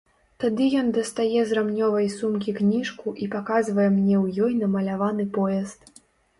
Тады ён дастае з рамнёвай сумкі кніжку і паказвае мне ў ёй намаляваны поезд.